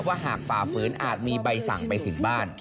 หากฝ่าฝืนอาจมีใบสั่งไปถึงบ้าน